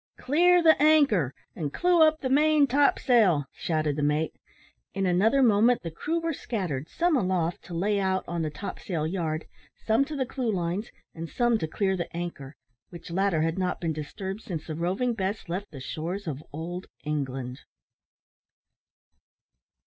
"Clear the anchor, and clew up the main topsail," shouted the mate. In another moment the crew were scattered, some aloft to "lay out" on the topsail yard, some to the clew lines, and some to clear the anchor, which latter had not been disturbed since the Roving Bess left the shores of Old England.